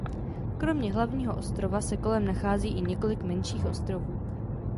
Kromě hlavního ostrova se kolem nachází i několik menších ostrovů.